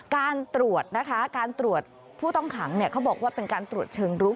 การตรวจนะคะการตรวจผู้ต้องขังเขาบอกว่าเป็นการตรวจเชิงรุก